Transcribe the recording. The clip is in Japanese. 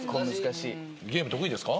ゲーム得意ですか？